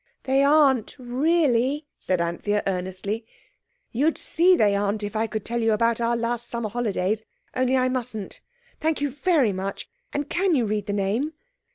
"They aren't really," said Anthea earnestly. "You'd see they aren't if I could tell you about our last summer holidays. Only I mustn't. Thank you very much. And can you read the name?"